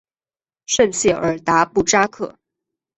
圣谢尔达布扎克。